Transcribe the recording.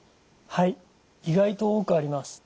はい意外と多くあります。